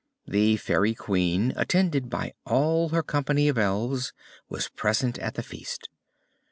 The Fairy Queen, attended by all her company of elves, was present at the feast.